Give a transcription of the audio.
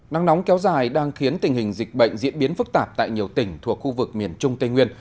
nắng nóng kéo dài đang khiến tình hình dịch bệnh diễn biến phức tạp tại nhiều tỉnh thuộc khu vực miền trung tây nguyên